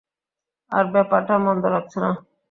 আর ব্যাপারটা মন্দ লাগছে না।